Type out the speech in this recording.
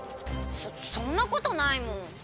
そそんなことないもん。